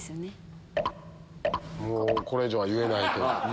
これ以上は言えないという。